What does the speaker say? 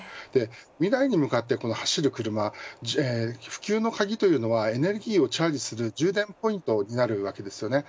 未来に向かって走る車普及の鍵というのはエネルギーをチャージする充電ポイントになるわけですよね。